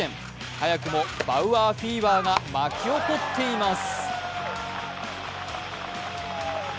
早くもバウアーフィーバーが巻き起こっています。